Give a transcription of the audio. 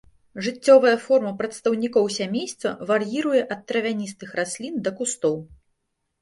Жыццёвая форма прадстаўнікоў сямейства вар'іруе ад травяністых раслін да кустоў.